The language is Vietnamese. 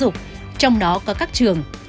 trong đó có các trường